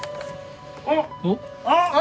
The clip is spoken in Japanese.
あっ！